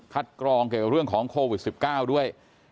กรองเกี่ยวกับเรื่องของโควิด๑๙ด้วย